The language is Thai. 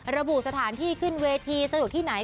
ระบุสถานที่ขึ้นเวทีสนุกที่ไหน